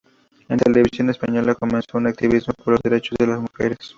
En Televisión Española comenzó su activismo por los derechos de las mujeres.